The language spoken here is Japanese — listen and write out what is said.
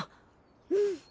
うん。